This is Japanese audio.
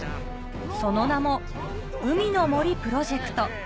その名も「海の森プロジェクト」